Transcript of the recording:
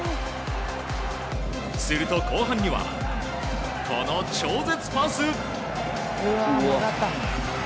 すると、後半にはこの超絶パス！